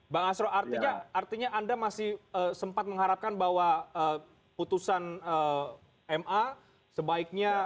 bang asro artinya anda masih sempat mengharapkan bahwa putusan ma sebaiknya